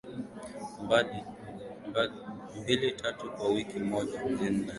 mbili tatu kwa wiki hapa mjini nairobi